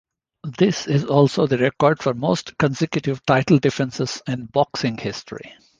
This is also the record for most consecutive title defenses in boxing history.